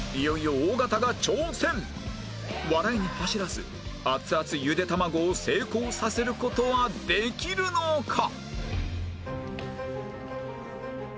笑いに走らず熱々ゆで卵を成功させる事はできるのか？